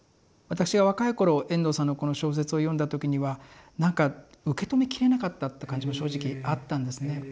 私が若い頃遠藤さんのこの小説を読んだ時にはなんか受け止めきれなかったって感じも正直あったんですね。